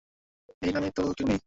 এই নামে তো কেউ নেই।